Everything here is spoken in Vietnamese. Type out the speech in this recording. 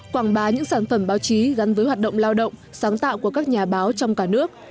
quảng bá những sản phẩm báo chí gắn với hoạt động lao động sáng tạo của các nhà báo trong cả nước